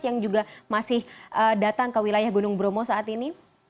yang juga masih datang ke wilayah gunung bromo saat ini